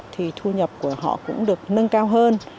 thì thu nhập của họ cũng được nâng cao hơn